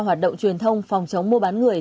hoạt động truyền thông phòng chống mua bán người